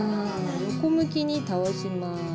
横向きに倒します。